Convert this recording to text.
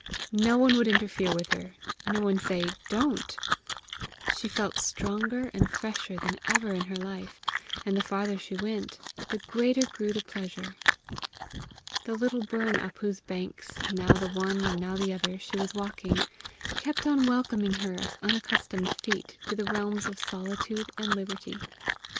No one would interfere with her, no one say Don't! She felt stronger and fresher than ever in her life; and the farther she went, the greater grew the pleasure. The little burn up whose banks, now the one and now the other, she was walking, kept on welcoming her unaccustomed feet to the realms of solitude and liberty.